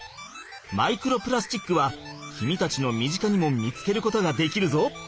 マイクロプラスチックは君たちの身近にも見つけることができるぞ。